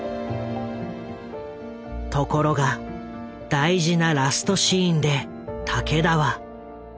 ところが大事なラストシーンで武田は。